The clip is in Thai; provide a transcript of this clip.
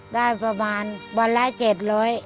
ได้ประมาณวันละ๗๐๐บาท